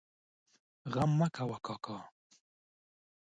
غم مه کوه کاکا!